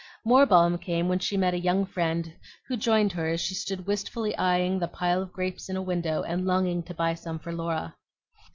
More balm came when she met a young friend, who joined her as she stood wistfully eying the piles of grapes in a window and longing to buy some for Laura.